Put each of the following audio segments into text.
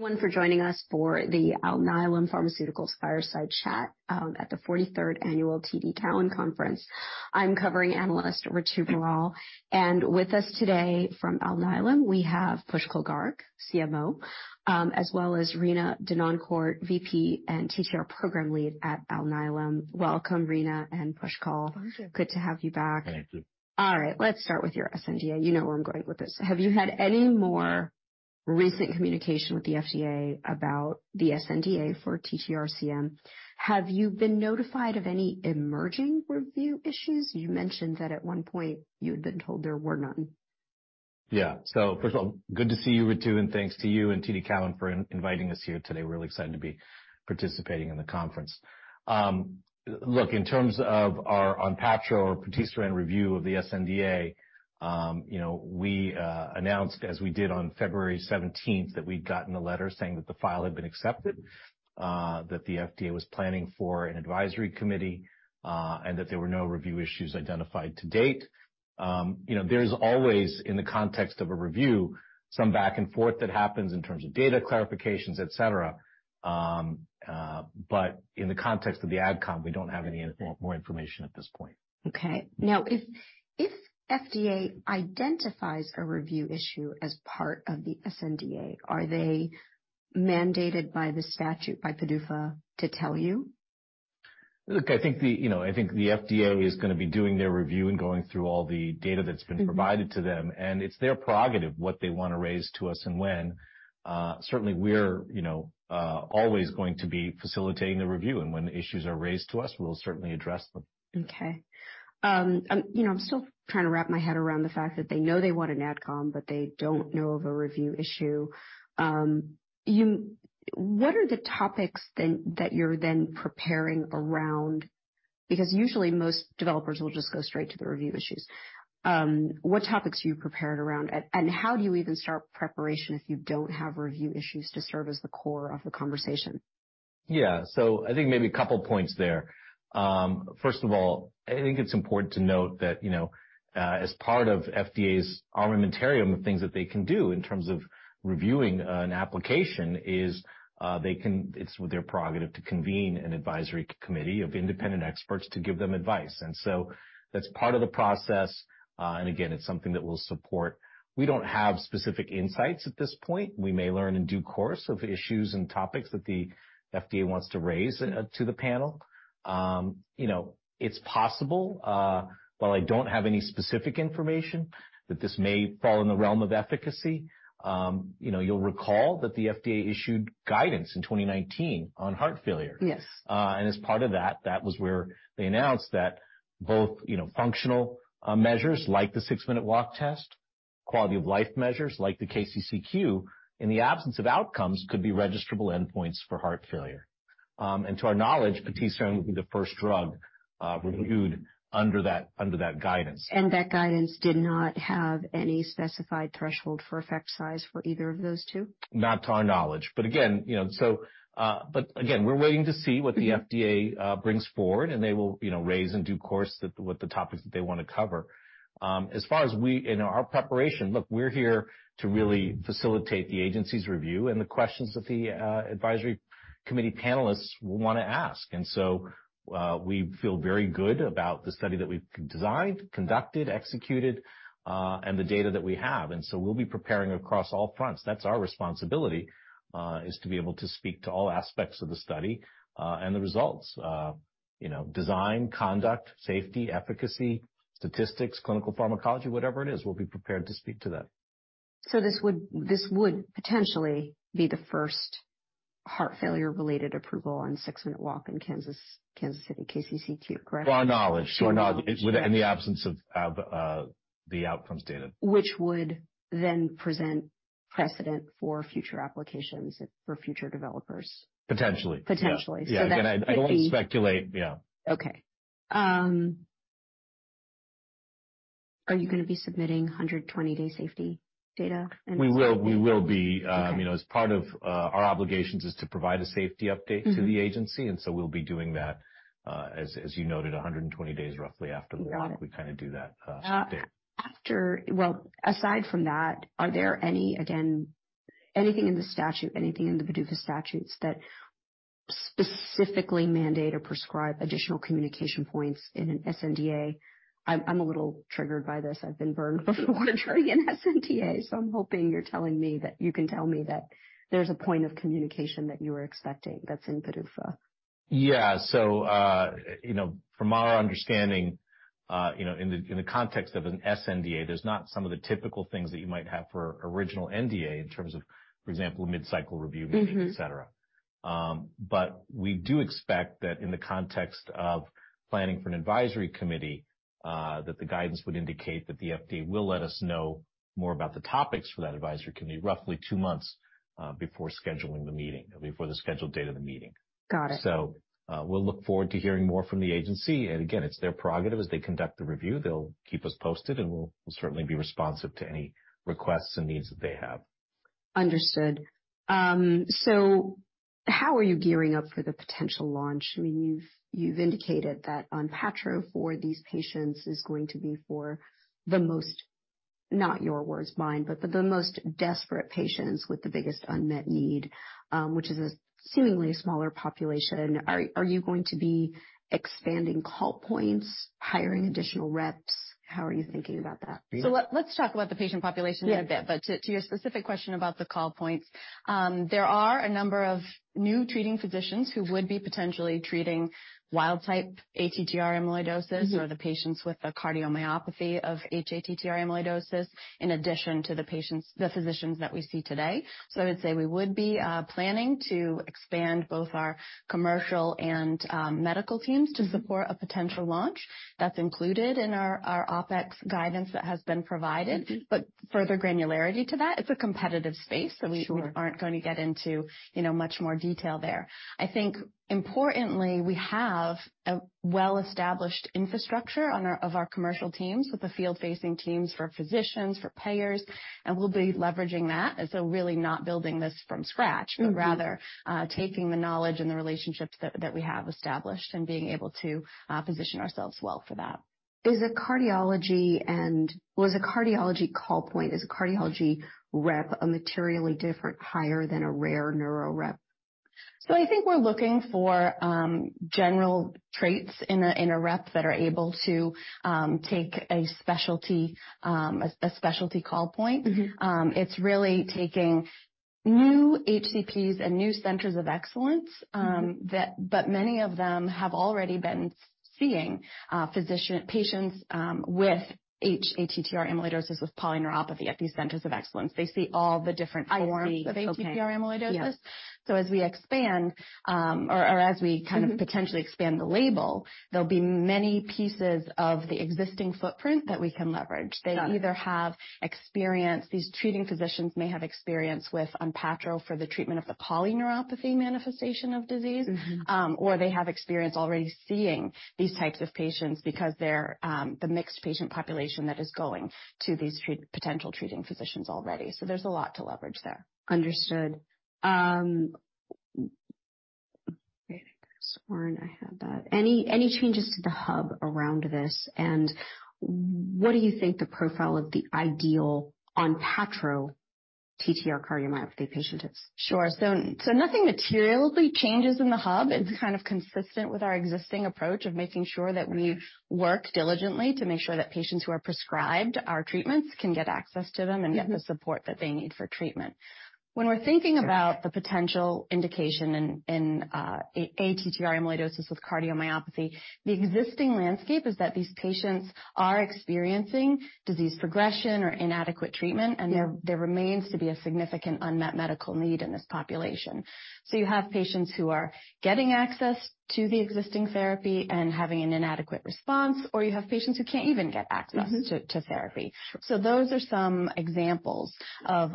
Everyone for joining us for the Alnylam Pharmaceuticals fireside chat, at the 43rd annual TD Cowen Conference. I'm covering analyst Ritu Baral. With us today from Alnylam, we have Pushkal Garg, CMO, as well as Rena Denoncourt, VP and TTR Program Lead at Alnylam. Welcome, Rena and Pushkal. Pleasure. Good to have you back. Thank you. All right. Let's start with your SNDA. You know where I'm going with this. Have you had any more recent communication with the FDA about the SNDA for ATTR-CM? Have you been notified of any emerging review issues? You mentioned that at one point you had been told there were none. Yeah. First of all, good to see you, Ritu, and thanks to you and TD Cowen for inviting us here today. Really excited to be participating in the conference. Look, in terms of our ONPATTRO or patisiran review of the SNDA, you know, we announced, as we did on February 17th, that we'd gotten a letter saying that the file had been accepted, that the FDA was planning for an advisory committee, and that there were no review issues identified to date. You know, there's always, in the context of a review, some back and forth that happens in terms of data clarifications, et cetera. In the context of the AdCom, we don't have any more information at this point. Okay. If FDA identifies a review issue as part of the SNDA, are they mandated by the statute, by PDUFA, to tell you? Look, I think the, you know, I think the FDA is going to be doing their review and going through all the data that's been provided to them, and it's their prerogative what they want to raise to us and when. Certainly we're, you know, always going to be facilitating the review. When issues are raised to us, we'll certainly address them. Okay. you know, I'm still trying to wrap my head around the fact that they know they want an AdCom, but they don't know of a review issue. What are the topics then that you're then preparing around? Because usually most developers will just go straight to the review issues. What topics are you prepared around? How do you even start preparation if you don't have review issues to serve as the core of the conversation? Yeah. I think maybe a couple points there. First of all, I think it's important to note that, you know, as part of FDA's armamentarium of things that they can do in terms of reviewing an application is, it's their prerogative to convene an advisory committee of independent experts to give them advice. That's part of the process. Again, it's something that we'll support. We don't have specific insights at this point. We may learn in due course of issues and topics that the FDA wants to raise to the panel. You know, it's possible, while I don't have any specific information, that this may fall in the realm of efficacy. You know, you'll recall that the FDA issued guidance in 2019 on heart failure. Yes. As part of that was where they announced that both, you know, functional, measures like the six minute walk test, quality of life measures like the KCCQ, in the absence of outcomes could be registrable endpoints for heart failure. To our knowledge, patisiran would be the first drug, reviewed under that, under that guidance. That guidance did not have any specified threshold for effect size for either of those two? Not to our knowledge. We're waiting to see what the FDA brings forward, and they will, you know, raise in due course the, what the topics that they wanna cover. As far as we in our preparation, look, we're here to really facilitate the agency's review and the questions that the advisory committee panelists will wanna ask. We feel very good about the study that we've designed, conducted, executed, and the data that we have. We'll be preparing across all fronts. That's our responsibility, is to be able to speak to all aspects of the study and the results. You know, design, conduct, safety, efficacy, statistics, clinical pharmacology, whatever it is, we'll be prepared to speak to that. This would potentially be the first heart failure-related approval on six minute walk in Kansas City, KCCQ, correct? To our knowledge. It would in the absence of the outcomes data. Which would then present precedent for future applications for future developers. Potentially. Potentially. Yeah. I don't speculate. Yeah. Are you gonna be submitting 120-day safety data? We will. We will be. You know, as part of our obligations is to provide a safety update to the agency, and so we'll be doing that, as you noted, 120 days roughly after the mark, we kinda do that update. Well, aside from that, are there any, again, anything in the statute, anything in the PDUFA statutes that specifically mandate or prescribe additional communication points in an SNDA? I'm a little triggered by this. I've been burned before trying an SNDA, so I'm hoping you're telling me that you can tell me that there's a point of communication that you are expecting that's in PDUFA. Yeah. you know, from our understanding, you know, in the context of an SNDA, there's not some of the typical things that you might have for original NDA in terms of, for example, mid-cycle review meetings, et cetera. We do expect that in the context of planning for an advisory committee, that the guidance would indicate that the FDA will let us know more about the topics for that advisory committee roughly two months before scheduling the meeting, before the scheduled date of the meeting. Got it. We'll look forward to hearing more from the agency. Again, it's their prerogative as they conduct the review. They'll keep us posted, and we'll certainly be responsive to any requests and needs that they have. Understood. How are you gearing up for the potential launch? I mean, you've indicated that ONPATTRO for these patients is going to be for the most, not your words, mine, but the most desperate patients with the biggest unmet need, which is a seemingly smaller population. Are you going to be expanding call points, hiring additional reps? How are you thinking about that? Let's talk about the patient population in a bit. Yeah. To your specific question about the call points, there are a number of new treating physicians who would be potentially treating wild-type ATTR amyloidosis. Mm-hmm. -or the patients with the cardiomyopathy of hATTR amyloidosis, in addition to the physicians that we see today. I would say we would be planning to expand both our commercial and medical teams to support a potential launch. That's included in our OpEx guidance that has been provided. Mm-hmm. Further granularity to that, it's a competitive space. Sure. We aren't going to get into, you know, much more detail there. I think importantly, we have a well-established infrastructure of our commercial teams, with the field-facing teams for physicians, for payers, and we'll be leveraging that. Really not building this from scratch. Mm-hmm. Rather, taking the knowledge and the relationships that we have established and being able to position ourselves well for that. Well, is a cardiology call point, is a cardiology rep, a materially different higher than a rare neuro rep? I think we're looking for general traits in a rep that are able to take a specialty call point. Mm-hmm. It's really taking new HCPs and new centers of excellence. Mm-hmm. That many of them have already been seeing patients, with hATTR amyloidosis with polyneuropathy at these centers of excellence. They see all the different forms. I see. of ATTR amyloidosis. Okay. Yeah. as we expand. Mm-hmm. Kind of potentially expand the label, there'll be many pieces of the existing footprint that we can leverage. Got it. They either have experience, these treating physicians may have experience with ONPATTRO for the treatment of the polyneuropathy manifestation of disease. Mm-hmm. They have experience already seeing these types of patients because they're the mixed patient population that is going to these potential treating physicians already. There's a lot to leverage there. Understood. I think I swore I had that. Any changes to the hub around this, and what do you think the profile of the ideal ONPATTRO ATTR cardiomyopathy patient is? Sure. Nothing materially changes in the hub. Mm-hmm. It's kind of consistent with our existing approach of making sure that we work diligently to make sure that patients who are prescribed our treatments can get access to them. Mm-hmm. Get the support that they need for treatment. When we're thinking about- Sure. The potential indication in ATTR amyloidosis with cardiomyopathy, the existing landscape is that these patients are experiencing disease progression or inadequate treatment. Yeah. There remains to be a significant unmet medical need in this population. You have patients who are getting access to the existing therapy and having an inadequate response, or you have patients who can't even get access. Mm-hmm. to therapy. Sure. Those are some examples of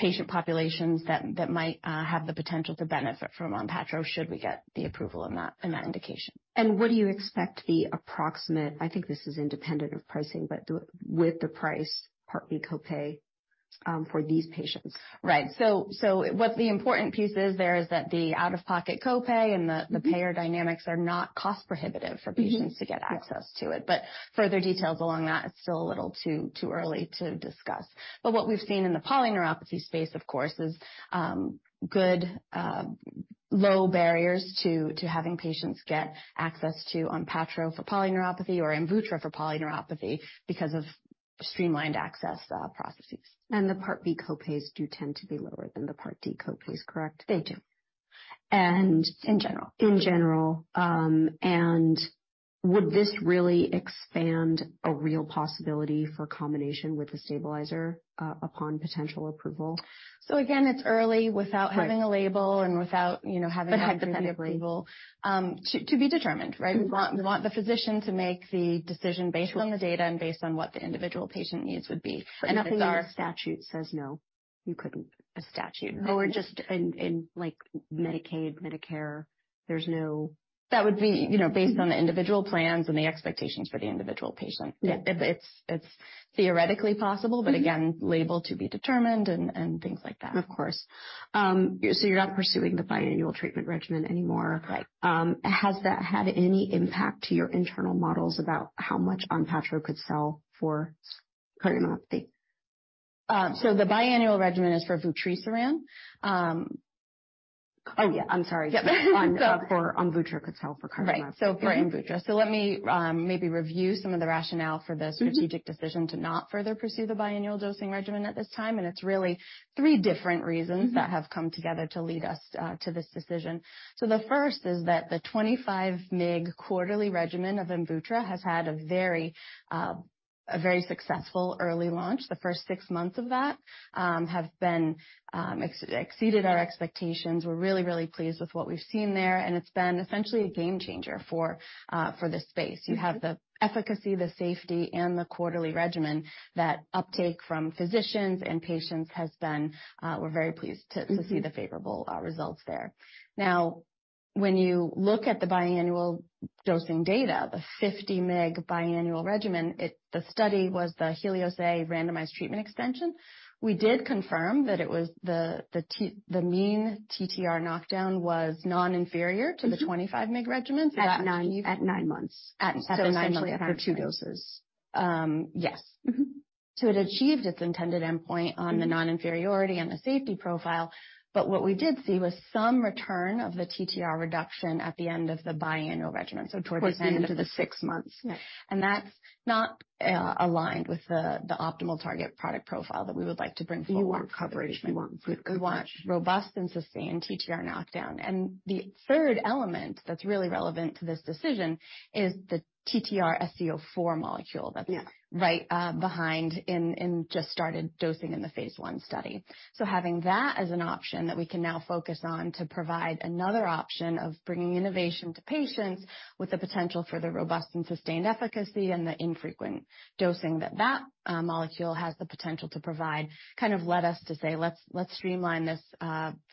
patient populations that might have the potential to benefit from ONPATTRO, should we get the approval in that indication. What do you expect the approximate... I think this is independent of pricing, but with the price, Part B copay, for these patients? Right. What the important piece is there is that the out-of-pocket copay and the. Mm-hmm. The payer dynamics are not cost-prohibitive for patients. Mm-hmm. to get access to it. Further details along that, it's still a little too early to discuss. What we've seen in the polyneuropathy space, of course, is good low barriers to having patients get access to ONPATTRO for polyneuropathy or AMVUTTRA for polyneuropathy because of streamlined access processes. The Part B copays do tend to be lower than the Part D copays, correct? They do. And- In general. In general. Would this really expand a real possibility for combination with the stabilizer, upon potential approval? Again, it's early. Right. Without having a label and without, you know. Hypothetically. Approval, to be determined, right. Mm-hmm. We want the physician to make the decision based on the data. Sure. based on what the individual patient needs would be. those are. Nothing in the statute says no, you couldn't. A statute. just in, like Medicaid, Medicare, there's no... That would be, you know, based on the individual plans and the expectations for the individual patient. Yeah. It's theoretically possible. Mm-hmm. Again, label to be determined and things like that. Of course. You're not pursuing the biannual treatment regimen anymore? Right. Has that had any impact to your internal models about how much ONPATTRO could sell for cardiomyopathy? The biannual regimen is for vutrisiran. Oh, yeah. I'm sorry. Yeah. On, for, AMVUTTRA could sell for cardiomyopathy. Right. For AMVUTTRA. Let me, maybe review some of the rationale for Mm-hmm. Strategic decision to not further pursue the biannual dosing regimen at this time, and it's really three different reasons. Mm-hmm. -that have come together to lead us to this decision. The first is that the 25mg quarterly regimen of AMVUTTRA has had a very, a very successful early launch. The first six months of that have been exceeded our expectations. We're really, really pleased with what we've seen there, and it's been essentially a game changer for this space. Mm-hmm. You have the efficacy, the safety, and the quarterly regimen that uptake from physicians and patients has been, we're very pleased to- Mm-hmm. to see the favorable results there. When you look at the biannual dosing data, the 50mg biannual regimen, the study was the HELIOS-A randomized treatment extension. We did confirm that it was the mean TTR knockdown was non-inferior to the 25mg regimen. At nine months. Essentially for two doses. Yes. Mm-hmm. It achieved its intended endpoint on the non-inferiority and the safety profile. What we did see was some return of the TTR reduction at the end of the biannual regimen, so towards the end of the six months. Yes. That's not aligned with the optimal target product profile that we would like to bring forward. You want coverage. You want good coverage. You want robust and sustained TTR knockdown. The third element that's really relevant to this decision is the TTRsc04 molecule. Yeah. that's right, behind and just started dosing in the phase I study. Having that as an option that we can now focus on to provide another option of bringing innovation to patients with the potential for the robust and sustained efficacy and the infrequent dosing that molecule has the potential to provide, kind of led us to say, "Let's, let's streamline this,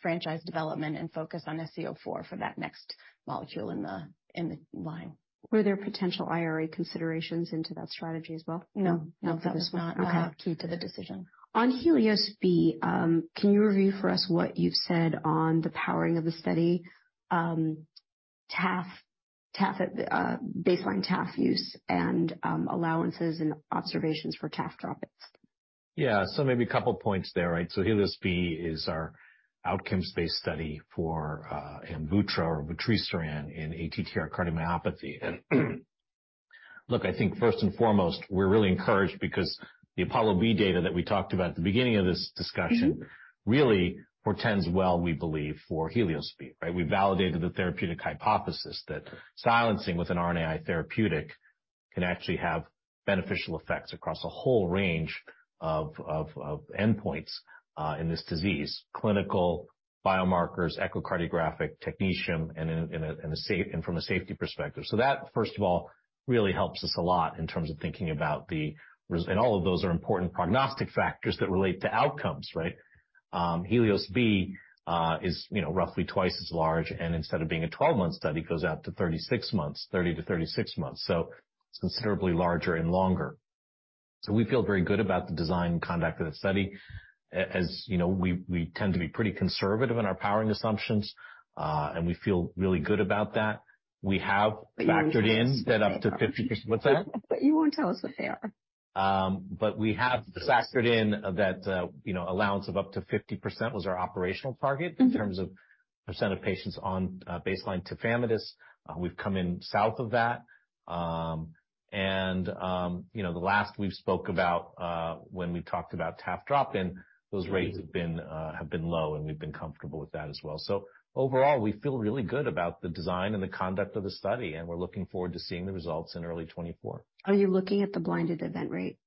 franchise development and focus on sc04 for that next molecule in the, in the line. Were there potential IRA considerations into that strategy as well? No. No, that was not key to the decision. On HELIOS-B, can you review for us what you've said on the powering of the study, TAF baseline TAF use and allowances and observations for TAF drop-ins? Yeah. Maybe a couple points there, right? HELIOS-B is our outcomes-based study for AMVUTTRA or vutrisiran in ATTR-CM. I think first and foremost, we're really encouraged because the APOLLO-B data that we talked about at the beginning of this discussion. Mm-hmm. really portends well, we believe, for HELIOS-B, right? We validated the therapeutic hypothesis that silencing with an RNAi therapeutic can actually have beneficial effects across a whole range of endpoints in this disease. Clinical biomarkers, echocardiographic, technetium, and from a safety perspective. That, first of all, really helps us a lot in terms of thinking about all of those are important prognostic factors that relate to outcomes, right? HELIOS-B is, you know, roughly twice as large, and instead of being a 12-month study, goes out to 36 months, 30-36 months. It's considerably larger and longer. We feel very good about the design and conduct of the study. As you know, we tend to be pretty conservative in our powering assumptions, and we feel really good about that. We have factored in that up to 50%. What's that? You won't tell us what they are. We have factored in that, you know, allowance of up to 50% was our operational target. Mm-hmm. in terms of percent of patients on baseline tafamidis. We've come in south of that. you know, the last we've spoke about, when we talked about taf drop-in, those rates have been low, and we've been comfortable with that as well. Overall, we feel really good about the design and the conduct of the study, and we're looking forward to seeing the results in early 2024. Are you looking at the blinded event rate?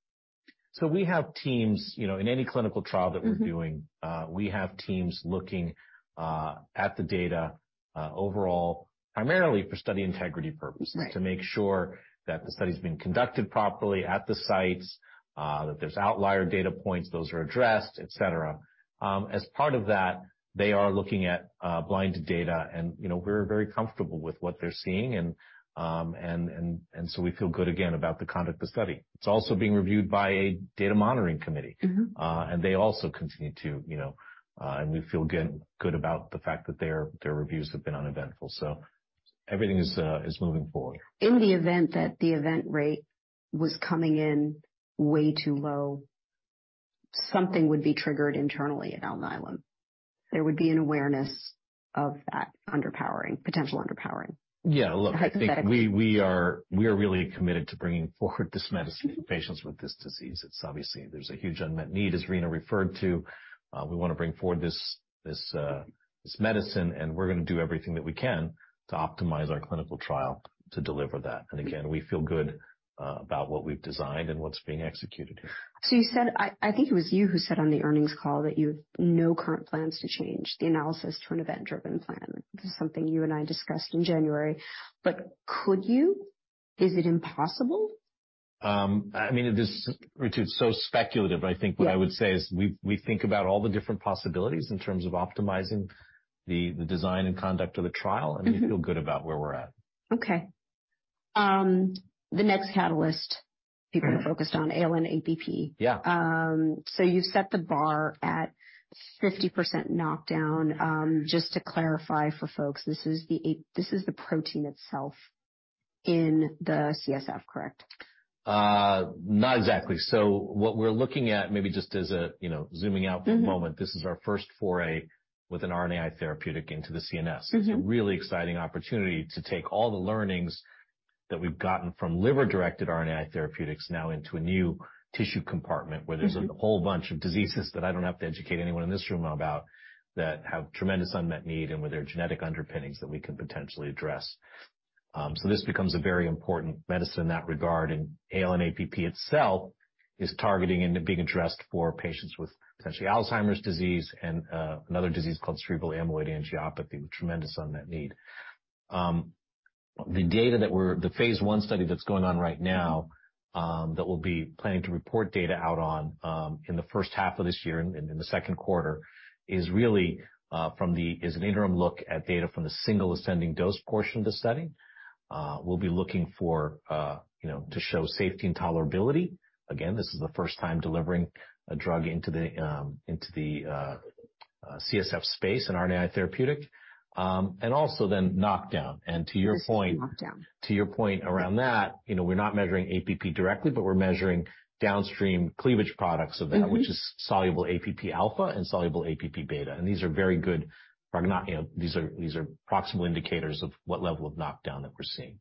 We have teams, you know, in any clinical trial that we're doing. Mm-hmm. We have teams looking, at the data, overall, primarily for study integrity purposes. Right. -to make sure that the study's being conducted properly at the sites, that there's outlier data points, those are addressed, et cetera. As part of that, they are looking at blind data and, you know, we're very comfortable with what they're seeing. We feel good, again, about the conduct of the study. It's also being reviewed by a data monitoring committee. Mm-hmm. They also continue to, you know. We feel good about the fact that their reviews have been uneventful. Everything is moving forward. In the event that the event rate was coming in way too low, something would be triggered internally at Alnylam. There would be an awareness of that underpowering, potential underpowering. Yeah. Hypothetically. I think we are really committed to bringing forward this medicine to patients with this disease. It's obviously there's a huge unmet need, as Rena referred to. We wanna bring forward this medicine, and we're gonna do everything that we can to optimize our clinical trial to deliver that. Again, we feel good about what we've designed and what's being executed here. You said, I think it was you who said on the earnings call that you have no current plans to change the analysis to an event-driven plan. This is something you and I discussed in January. Could you? Is it impossible? I mean, it is, Ritu, so speculative. Yeah. I think what I would say is we think about all the different possibilities in terms of optimizing the design and conduct of the trial. Mm-hmm. we feel good about where we're at. Okay. The next catalyst people are focused on ALN-APP. Yeah. You set the bar at 50% knockdown. Just to clarify for folks, this is the protein itself in the CSF, correct? Not exactly. What we're looking at, maybe just as a, you know, zooming out for a moment. Mm-hmm. This is our first foray with an RNAi therapeutic into the CNS. Mm-hmm. It's a really exciting opportunity to take all the learnings that we've gotten from liver-directed RNAi therapeutics now into a new tissue compartment. Mm-hmm. where there's a whole bunch of diseases that I don't have to educate anyone in this room about that have tremendous unmet need and with their genetic underpinnings that we can potentially address. This becomes a very important medicine in that regard, and ALN-APP itself is targeting and being addressed for patients with potentially Alzheimer's disease and another disease called cerebral amyloid angiopathy, with tremendous unmet need. The data that we're the phase I study that's going on right now, that we'll be planning to report data out on in the first half of this year and in the second quarter is really from the is an interim look at data from the single ascending dose portion of the study. We'll be looking for, you know, to show safety and tolerability. This is the first time delivering a drug into the CSF space, an RNA therapeutic, and also then knockdown. To your point. Knockdown. To your point around that, you know, we're not measuring APP directly, but we're measuring downstream cleavage products of that. Mm-hmm. which is soluble APP alpha and soluble APP beta. These are very good you know, these are proximal indicators of what level of knockdown that we're seeing.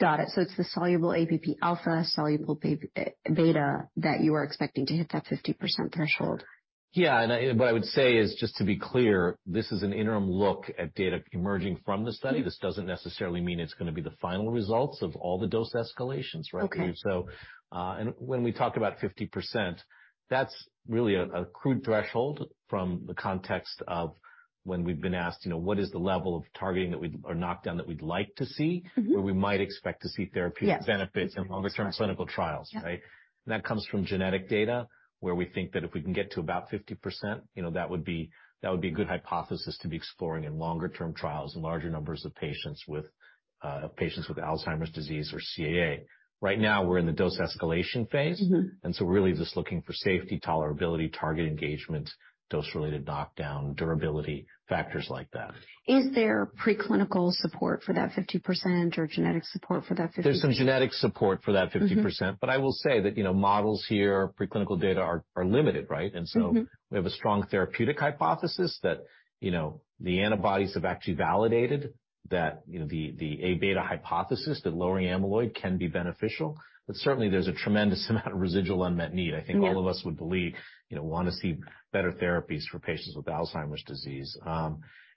Got it. It's the soluble APP alpha, soluble beta that you are expecting to hit that 50% threshold. Yeah. What I would say is, just to be clear, this is an interim look at data emerging from the study. This doesn't necessarily mean it's going to be the final results of all the dose escalations, right? Okay. When we talk about 50%, that's really a crude threshold from the context of when we've been asked, you know, what is the level of targeting that we'd like to see. Mm-hmm. Where we might expect to see therapeutic benefits in longer-term clinical trials, right? Yeah. That comes from genetic data, where we think that if we can get to about 50%, you know, that would be a good hypothesis to be exploring in longer-term trials and larger numbers of patients with Alzheimer's disease or CAA. Right now, we're in the dose escalation phase. Mm-hmm. We're really just looking for safety, tolerability, target engagement, dose-related knockdown, durability, factors like that. Is there preclinical support for that 50% or genetic support for that 50%? There's some genetic support for that 50%. Mm-hmm. I will say that, you know, models here, preclinical data are limited, right? Mm-hmm. We have a strong therapeutic hypothesis that, you know, the antibodies have actually validated that, you know, the A Beta hypothesis that lowering amyloid can be beneficial. Certainly, there's a tremendous amount of residual unmet need. Right. I think all of us would believe, you know, want to see better therapies for patients with Alzheimer's disease.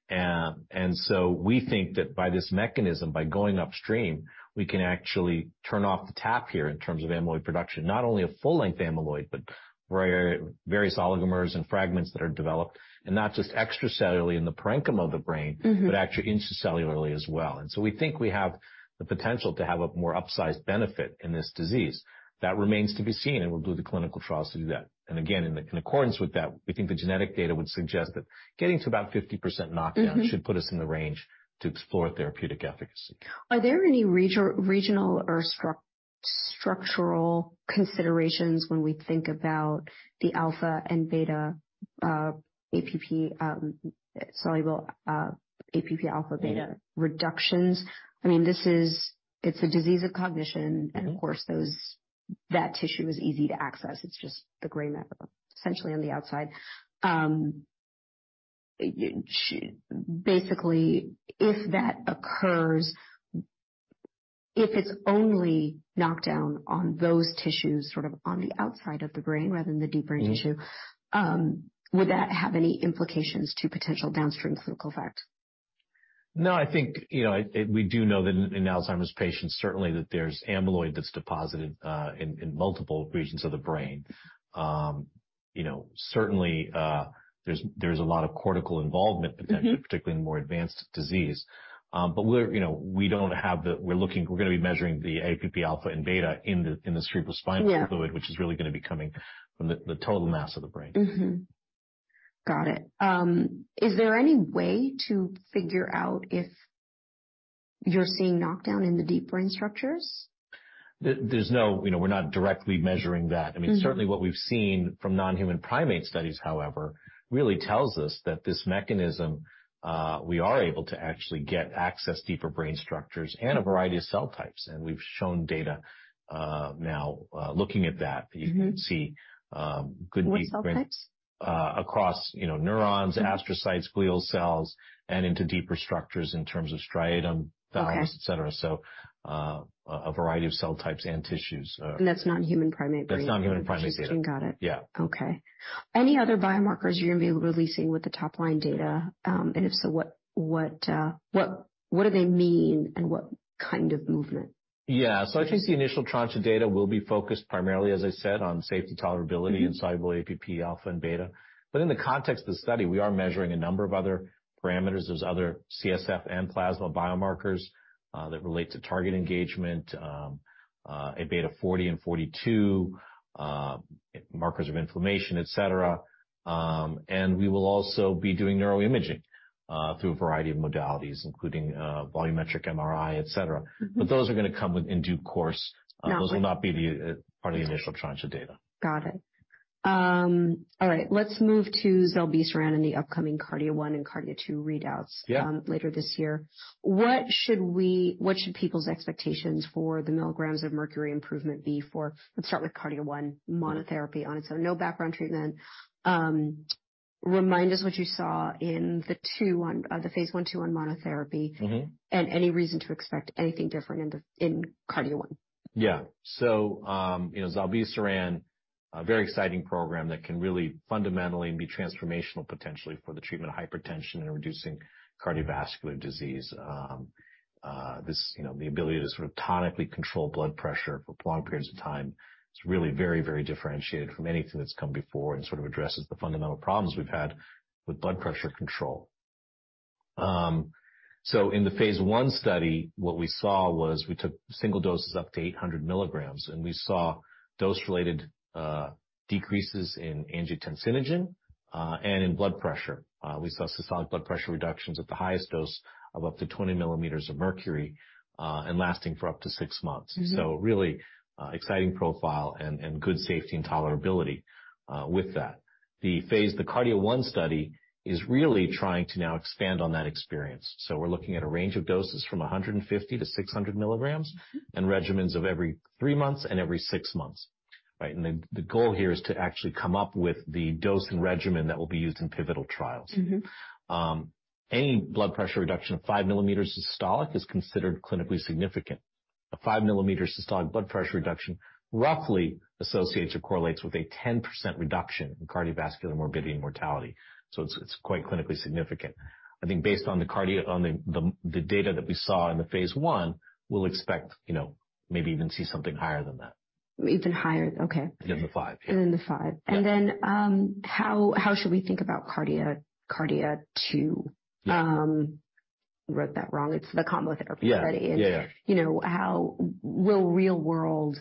We think that by this mechanism, by going upstream, we can actually turn off the tap here in terms of amyloid production. Not only of full-length amyloid, but various oligomers and fragments that are developed, and not just extracellularly in the parenchyma of the brain... Mm-hmm. Actually intracellularly as well. We think we have the potential to have a more upsized benefit in this disease. That remains to be seen, and we'll do the clinical trials to do that. Again, in accordance with that, we think the genetic data would suggest that getting to about 50% knockdown. Mm-hmm. should put us in the range to explore therapeutic efficacy. Are there any regional or structural considerations when we think about the alpha and beta, APP, soluble APP alpha beta reductions? I mean, it's a disease of cognition. Mm-hmm. Of course, that tissue is easy to access. It's just the gray matter, essentially on the outside. Basically, if that occurs, if it's only knocked down on those tissues, sort of on the outside of the brain rather than the deep brain tissue. Mm-hmm. Would that have any implications to potential downstream clinical effects? No, I think, you know, we do know that in Alzheimer's patients, certainly that there's amyloid that's deposited in multiple regions of the brain. You know, certainly, there's a lot of cortical involvement potentially. Mm-hmm. particularly in more advanced disease. We're, you know, we're going to be measuring the APP alpha and beta in the, in the cerebrospinal fluid. Yeah. which is really going to be coming from the total mass of the brain. Mm-hmm. Got it. Is there any way to figure out if you're seeing knockdown in the deep brain structures? There's no, you know, we're not directly measuring that. Mm-hmm. I mean, certainly what we've seen from non-human primate studies, however, really tells us that this mechanism, we are able to actually get access deeper brain structures and a variety of cell types. We've shown data, now, looking at that- Mm-hmm. You can see, good difference. What cell types? Across, you know, neurons, astrocytes, glial cells, and into deeper structures in terms of striatum, thalamus, et cetera. Okay. A variety of cell types and tissues. That's non-human primate brain? That's non-human primate data. Got it. Yeah. Okay. Any other biomarkers you're gonna be releasing with the top-line data? And if so, what do they mean and what kind of movement? Yeah. I think the initial tranche of data will be focused primarily, as I said, on safety tolerability in soluble APP alpha and beta. In the context of the study, we are measuring a number of other parameters. There's other CSF and plasma biomarkers that relate to target engagement, Aβ40 and 42, markers of inflammation, et cetera. We will also be doing neuroimaging through a variety of modalities, including volumetric MRI, et cetera. Mm-hmm. Those are gonna come in due course. Not- Those will not be the part of the initial tranche of data. Got it. All right. Let's move to zilebesiran in the upcoming KARDIA-1 and KARDIA-2 readouts. Yeah. later this year. What should people's expectations for the milligrams of mercury improvement be for? Let's start with KARDIA-1 monotherapy on its own. No background treatment. Remind us what you saw in the two, the phase I/II on monotherapy. Mm-hmm. any reason to expect anything different in KARDIA-1? zilebesiran, a very exciting program that can really fundamentally be transformational potentially for the treatment of hypertension and reducing cardiovascular disease. The ability to sort of tonically control blood pressure for prolonged periods of time, it's really very, very differentiated from anything that's come before and sort of addresses the fundamental problems we've had with blood pressure control. In the phase I study, what we saw was we took single doses up to 800mg, and we saw dose-related decreases in angiotensinogen and in blood pressure. We saw systolic blood pressure reductions at the highest dose of up to 20mm of mercury and lasting for up to six months. Mm-hmm. Really exciting profile and good safety and tolerability with that. The KARDIA-1 study is really trying to now expand on that experience. We're looking at a range of doses from 150mg-600mg. Mm-hmm. regimens of every three months and every six months. Right. The goal here is to actually come up with the dose and regimen that will be used in pivotal trials. Mm-hmm. Any blood pressure reduction of 5mm diastolic is considered clinically significant. A 5mm systolic blood pressure reduction roughly associates or correlates with a 10% reduction in cardiovascular morbidity and mortality. It's quite clinically significant. I think based on the data that we saw in the phase I, we'll expect, you know, maybe even see something higher than that. Even higher? Okay. Than the five, yeah. Than the five. Yeah. how should we think about KARDIA-2? Yeah. wrote that wrong. It's the combo therapy. Yeah. Yeah, yeah. You know, how will real-world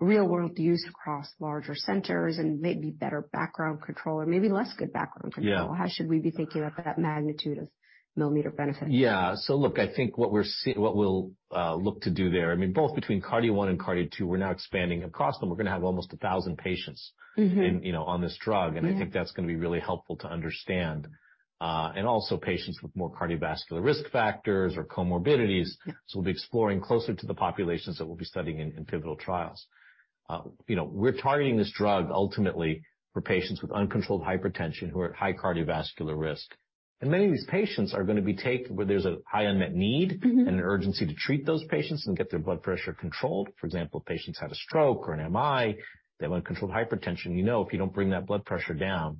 use across larger centers and maybe better background control or maybe less good background control... Yeah. how should we be thinking about that magnitude of millimeter benefit? Yeah. look, I think what we'll look to do there, I mean, both between KARDIA-1 and KARDIA-2, we're now expanding across them. We're gonna have almost 1,000 patients. Mm-hmm. in, you know, on this drug. Mm-hmm. I think that's gonna be really helpful to understand, and also patients with more cardiovascular risk factors or comorbidities. Yeah. We'll be exploring closer to the populations that we'll be studying in pivotal trials. You know, we're targeting this drug ultimately for patients with uncontrolled hypertension who are at high cardiovascular risk. Many of these patients are gonna be where there's a high unmet need. Mm-hmm. An urgency to treat those patients and get their blood pressure controlled. For example, patients have a stroke or an MI, they have uncontrolled hypertension. You know, if you don't bring that blood pressure down,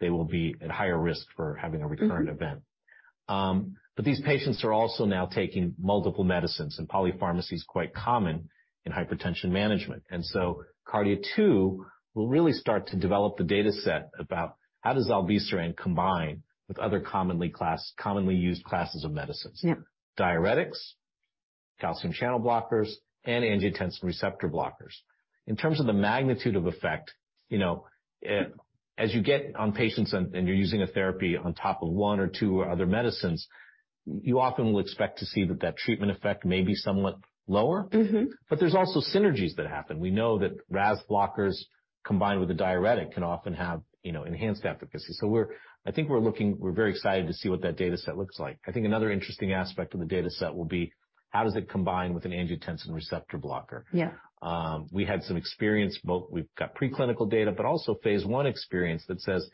they will be at higher risk for having a recurrent event. Mm-hmm. These patients are also now taking multiple medicines and polypharmacy is quite common in hypertension management. KARDIA-2 will really start to develop the data set about how does zilebesiran combine with other commonly used classes of medicines. Yeah. Diuretics, calcium channel blockers, and angiotensin receptor blockers. In terms of the magnitude of effect, you know, as you get on patients and you're using a therapy on top of one or two or other medicines, you often will expect to see that treatment effect may be somewhat lower. Mm-hmm. There's also synergies that happen. We know that RAS blockers combined with a diuretic can often have, you know, enhanced efficacy. We're very excited to see what that data set looks like. I think another interesting aspect of the data set will be how does it combine with an angiotensin receptor blocker. Yeah. We had some experience, both we've got pre-clinical data, but also phase I experience that says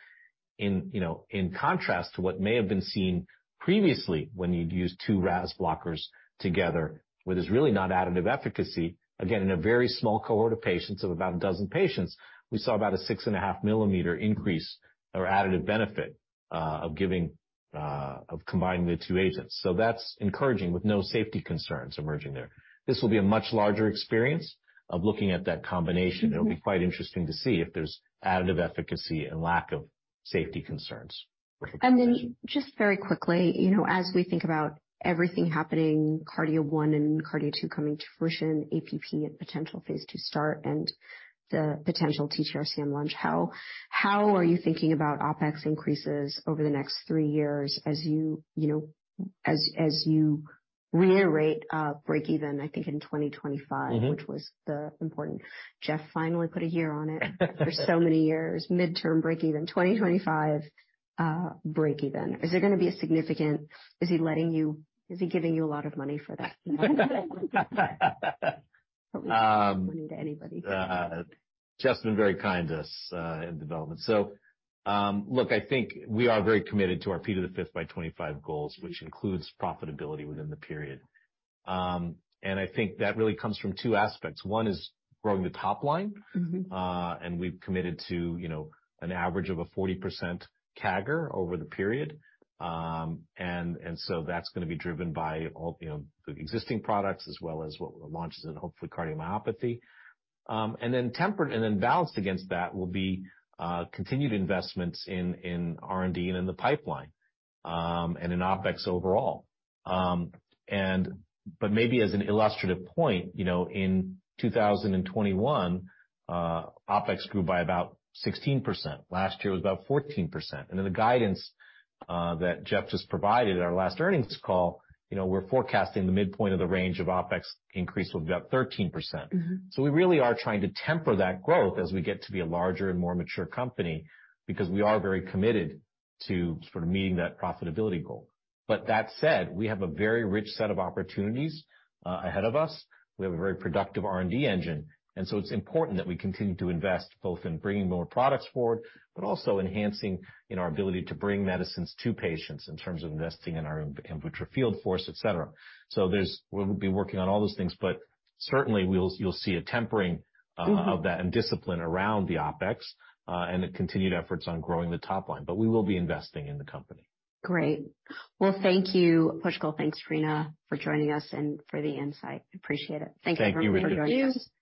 in, you know, in contrast to what may have been seen previously when you'd use two RAS blockers together, where there's really not additive efficacy. Again, in a very small cohort of patients, of about 12 patients, we saw about a 6.5mm increase or additive benefit of giving of combining the two agents. That's encouraging with no safety concerns emerging there. This will be a much larger experience of looking at that combination. Mm-hmm. It'll be quite interesting to see if there's additive efficacy and lack of safety concerns. Just very quickly, you know, as we think about everything happening, KARDIA-1 and KARDIA-2 coming to fruition, APP at potential phase two start, and the potential ATTR-CM launch, how are you thinking about OpEx increases over the next three years as you know, as you reiterate a break even, I think, in 2025? Mm-hmm. Which was the important. Jeff finally put a year on it for so many years. Mid-term break even. 2025, break even. Is there gonna be a significant... Is he giving you a lot of money for that? Um- Money to anybody. Jeff's been very kind to us, in development. look, I think we are very committed to our P to the fifth by 2025 goals, which includes profitability within the period. I think that really comes from two aspects. One is growing the top line. Mm-hmm. We've committed to, you know, an average of a 40% CAGR over the period. That's gonna be driven by all, you know, the existing products as well as what launches in hopefully cardiomyopathy. Then tempered and then balanced against that will be, continued investments in R&D and in the pipeline, and in OpEx overall. But maybe as an illustrative point, you know, in 2021, OpEx grew by about 16%. Last year was about 14%. Then the guidance, that Jeff just provided at our last earnings call, you know, we're forecasting the midpoint of the range of OpEx increase of about 13%. Mm-hmm. We really are trying to temper that growth as we get to be a larger and more mature company because we are very committed to sort of meeting that profitability goal. That said, we have a very rich set of opportunities ahead of us. We have a very productive R&D engine, it's important that we continue to invest both in bringing more products forward, but also enhancing in our ability to bring medicines to patients in terms of investing in our AMVUTTRA field force, et cetera. We'll be working on all those things, but certainly you'll see a tempering. Mm-hmm. -of that and discipline around the OpEx, and the continued efforts on growing the top line. We will be investing in the company. Great. Well, thank you, Pushkal. Thanks, Rena, for joining us and for the insight. Appreciate it. Thank you for joining us.